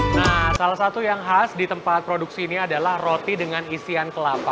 nah salah satu yang khas di tempat produksi ini adalah roti dengan isian kelapa